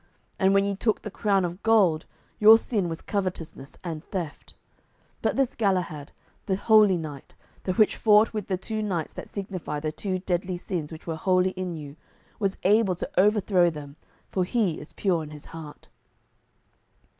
And when ye took the crown of gold your sin was covetousness and theft. But this Galahad, the holy knight, the which fought with the two knights that signify the two deadly sins which were wholly in you, was able to overthrow them, for he is pure in his heart."